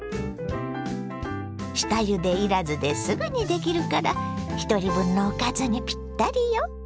下ゆでいらずですぐにできるからひとり分のおかずにピッタリよ！